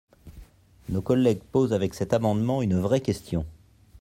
Nos collègues posent avec cet amendement une vraie question.